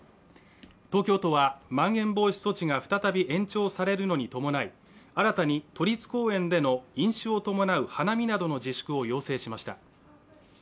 東京都はまん延防止措置が再び延長されるのに伴い新たに都立公園での飲酒を伴う花見などの自粛を要請しました